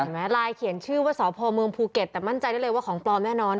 ไลน์เขียนชื่อว่าสพเมืองภูเก็ตแต่มั่นใจได้เลยว่าของปลอมแน่นอน